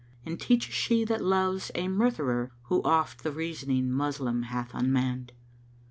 And teaches she that Love's a murtherer, * Who oft the reasoning Moslem hath unmann'd.